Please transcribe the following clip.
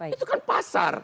itu kan pasar